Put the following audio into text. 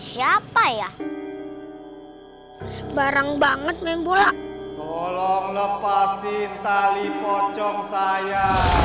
sipeng lempar nih iya nih siapa ya sebarang banget main bola tolong lepasin tali pocong saya